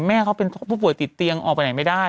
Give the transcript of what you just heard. แม่เขาเป็นผู้ป่วยติดเตียงออกไปไหนไม่ได้